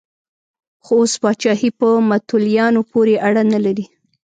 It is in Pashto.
خو اوس پاچاهي په متولیانو پورې اړه نه لري.